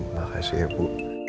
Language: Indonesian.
makasih ya bu